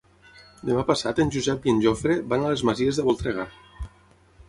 Demà passat en Josep i en Jofre van a les Masies de Voltregà.